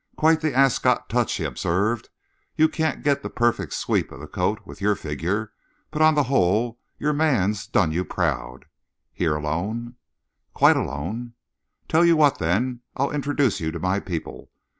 "Quite the Ascot touch," he observed. "You can't get the perfect sweep of the coat with your figure, but on the whole your man's done you proud. Here alone?" "Quite alone." "Tell you what, then, I'll introduce you to my people.